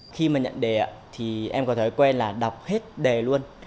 khi mà nhận đề thì em có thói quen là đọc hết đề luôn